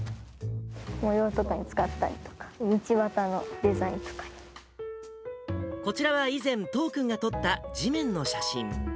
模様とかに使ったりとか、こちらは以前、都央君が撮った地面の写真。